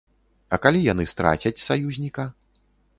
А калі яны страцяць саюзніка?